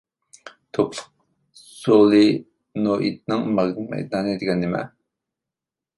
توكلۇق سولېنوئىدنىڭ ماگنىت مەيدانى دېگەن نېمە؟